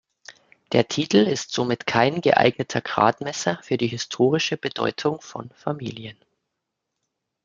Der Titel ist somit kein geeigneter Gradmesser für die historische Bedeutung von Familien.